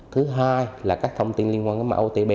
thứ hai là các thông tin liên quan tới mạng otp